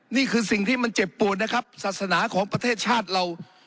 นี่คือสิ่งที่มันเจ็บปวดนะครับศาสนาของประเทศชาติเรา